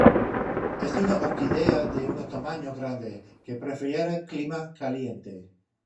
Es una orquídea de un tamaño grande, que prefiere clima caliente.